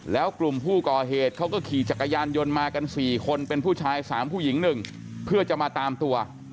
แล้วกลุ่มผู้ก่อเหตุเขาก็ขี่จักรยานยนต์มากัน๔คนเป็นผู้ชาย๓ผู้หญิง๑เพื่อจะมาตามตัว